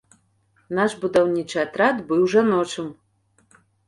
Наш будаўнічы атрад быў жаночым.